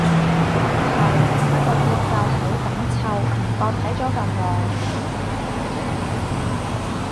係，不過節奏好緊湊，唔覺睇咗咁耐